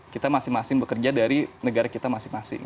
kita masing masing bekerja dari negara kita masing masing